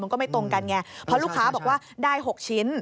ก็ไม่ตรงกันไงเพราะลูกค้าบอกว่าได้๖ชิ้น